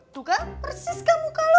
tuh kan persis kan muka lo